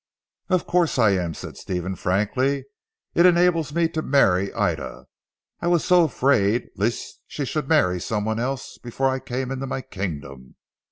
"Of course I am," said Stephen frankly, "it enables me to marry Ida. I was so afraid lest she should marry someone else before I came into my kingdom.